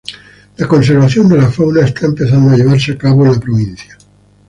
La conservación de la fauna está empezando a llevarse a cabo en la provincia.